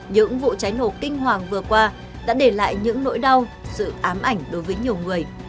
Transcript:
những vụ cháy nổ kinh hoàng vừa qua đã để lại những nỗi đau sự ám ảnh đối với nhiều người